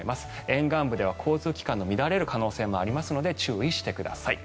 沿岸部では交通機関が乱れる可能性もありますので注意してください。